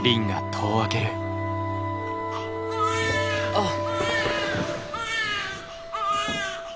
・あっ。